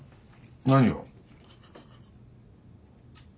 何を？